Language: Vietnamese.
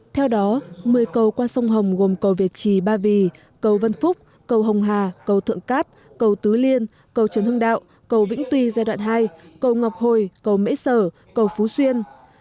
theo đó một mươi cầu qua sông hồng gồm cầu việt trì ba vì cầu vân phúc cầu hồng hà cầu thượng cát cầu tứ liên cầu trần hưng đạo cầu vĩnh tuy giai đoạn hai cầu ngọc hồi cầu mễ sở cầu phú xuyên